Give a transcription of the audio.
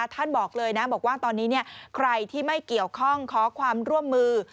ท่านบอกเลยนะบอกว่าตอนนี้ใครที่ไม่เกี่ยวข้องขอความร่วมมือ